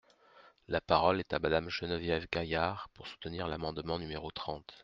La parole est à Madame Geneviève Gaillard, pour soutenir l’amendement numéro trente.